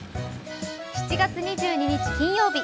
７月２２日金曜日。